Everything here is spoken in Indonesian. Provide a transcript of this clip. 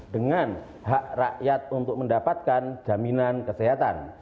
dengan hak rakyat untuk mendapatkan jaminan kesehatan